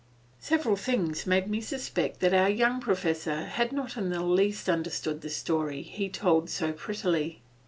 Several things made me suspect that our young professor had not in the least understood the story he told so prettily.